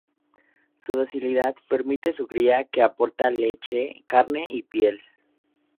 Su docilidad permite su cría que aporta leche, carne y piel.